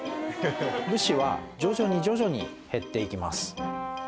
武士は徐々に徐々に減っていきます